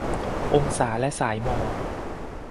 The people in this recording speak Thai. องศาและสายหมอก